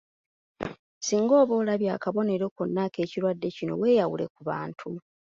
Singa oba olabye akabonero konna ak’ekirwadde kino, weeyawule ku bantu.